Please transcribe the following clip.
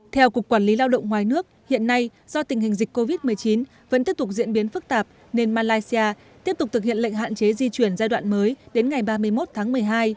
theo cục quản lý lao động ngoài nước hiện nay do tình hình dịch covid một mươi chín vẫn tiếp tục diễn biến phức tạp nên malaysia tiếp tục thực hiện lệnh hạn chế di chuyển giai đoạn mới đến ngày ba mươi một tháng một mươi hai